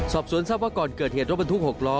สอบสวนทรัพย์ว่าก่อนเกิดเหตุรถบรรทุก๖ล้อ